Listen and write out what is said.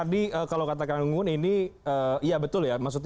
jadi saya tidak akan menerima kebangsaan yang sudah diberikan oleh pak jokowi